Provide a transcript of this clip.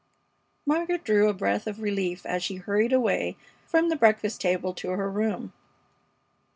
Margaret drew a breath of relief as she hurried away from the breakfast table to her room.